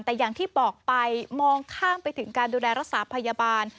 แต่อย่างที่บอกไปมองข้ามไปถึงการดูแลรักษาพยาบาล